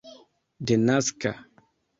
denaska